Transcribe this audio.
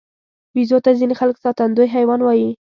بیزو ته ځینې خلک ساتندوی حیوان وایي.